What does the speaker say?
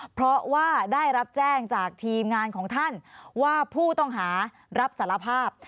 เพราะว่าได้รับแจ้งจากทีมงานของท่านว่าผู้ต้องหารับสารภาพ